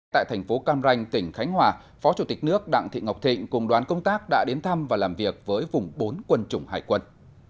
tại thành phố cam ranh tỉnh khánh hòa phó chủ tịch nước đặng thị ngọc thịnh cùng đoàn công tác đã đến thăm và làm việc với vùng bốn quân chủng hải quân